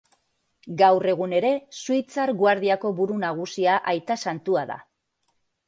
Gaur egun ere, Suitzar Guardiako buru nagusia Aita santua da.